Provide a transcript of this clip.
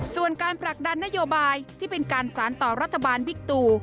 ส่วนการผลักดันนโยบายที่เป็นการสารต่อรัฐบาลบิ๊กตู